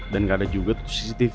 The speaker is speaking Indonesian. dan nggak ada juga tuh cctv